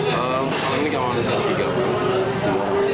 kali ini kami makan tiga orang